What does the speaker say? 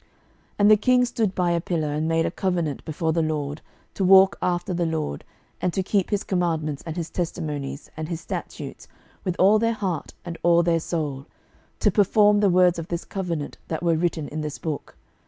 12:023:003 And the king stood by a pillar, and made a covenant before the LORD, to walk after the LORD, and to keep his commandments and his testimonies and his statutes with all their heart and all their soul, to perform the words of this covenant that were written in this book.